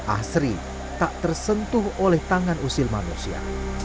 asri tak tersentuh oleh tangan usil manusia